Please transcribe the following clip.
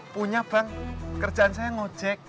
punya bank kerjaan saya ngojek